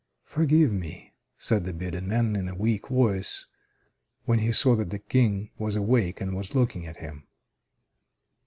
"Forgive me!" said the bearded man in a weak voice, when he saw that the King was awake and was looking at him.